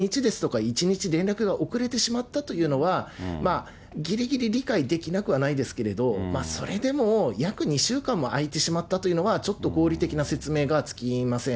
パニックを起こして、例えば半日ですとか１日連絡遅れてしまったというのは、ぎりぎり理解できなくはないですけど、それでも、約２週間も空いてしまったというのは、ちょっと合理的な説明がつきません。